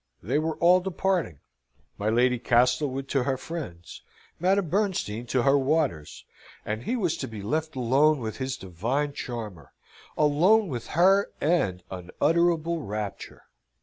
They were all departing my Lady Castlewood to her friends, Madame Bernstein to her waters and he was to be left alone with his divine charmer alone with her and unutterable rapture!